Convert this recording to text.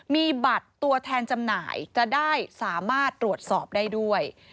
มีบัตรตัวแทนจำหน่ายจะได้สามารถตรวจสอบได้ด้วย